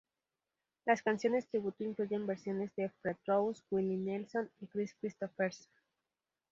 Las canciones tributo incluyen versiones de Fred Rose, Willie Nelson y Kris Kristofferson.